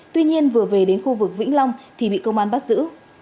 tuy nhiên vừa về đến khu vực vĩnh long thì bị công an bắt giữ